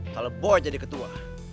kalau boy jadi ketua